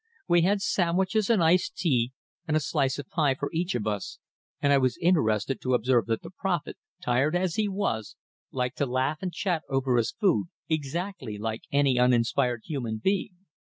We had sandwiches and iced tea and a slice of pie for each of us, and I was interested to observe that the prophet, tired as he was, liked to laugh and chat over his food, exactly like any uninspired human being.